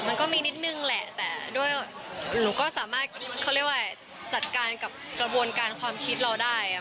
มันก็มีนิดนึงแหละแต่ด้วยหนูก็สามารถเขาเรียกว่าจัดการกับกระบวนการความคิดเราได้